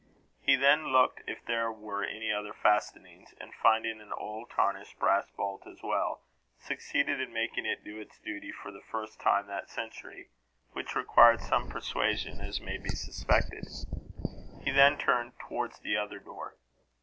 He then looked if there were any other fastenings, and finding an old tarnished brass bolt as well, succeeded in making it do its duty for the first time that century, which required some persuasion, as may be supposed. He then turned towards the other door.